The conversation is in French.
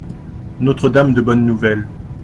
Notre-Dame de Bonne Nouvelle.